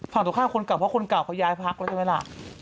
ฝั่งตรงข้ามคนเก่าเพราะคนเก่าเขาย้ายพักแล้วใช่ไหมล่ะ